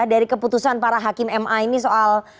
dari keputusan para hakim ma ini soal